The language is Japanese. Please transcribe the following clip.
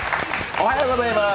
おはようございます。